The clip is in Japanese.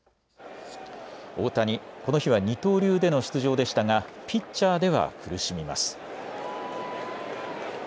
大谷、この日は二刀流での出場でしたがピッチャーでは苦しみます。